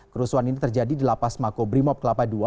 kerusuhan ini terjadi di lapas mako brimob kelapa ii